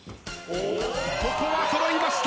ここは揃いました。